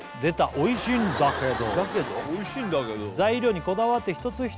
「おいしいんだけど」